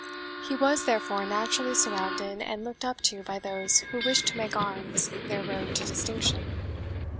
He was, therefore, naturally surrounded and looked up to by those who wished to make arms their road to distinction.